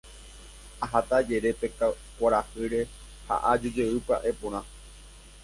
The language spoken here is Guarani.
Aháta ajere pe kuarahýre ha ajujey pya'e porã.